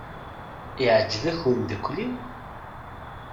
Iɛjeb-ak umeddakel-iw?